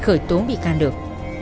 khởi tố bị can được